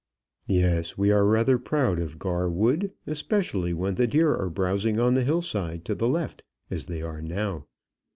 "Yes; we are rather proud of Gar Wood, especially when the deer are browsing on the hill side to the left, as they are now.